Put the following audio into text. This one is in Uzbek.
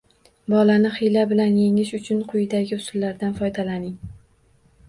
Bolani hiyla bilan yengish uchun quyidagi usullardan foydalaning: